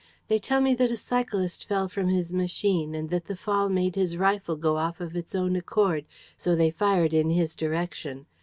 They tell me that a cyclist fell from his machine and that the fall made his rifle go off of its own accord, so they fired in his direction.